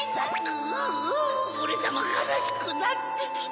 ぐぅオレさまかなしくなってきた。